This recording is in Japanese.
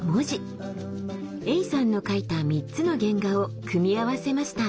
エイさんの描いた３つの原画を組み合わせました。